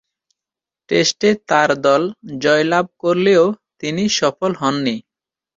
টেস্টে তার দল জয়লাভ করলেও তিনি সফল হননি।